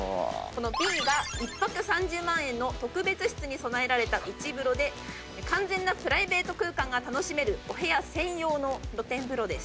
Ｂが１泊３０万円の特別室に備えられた内風呂で完全なプライベート空間が楽しめるお部屋専用の露天風呂です。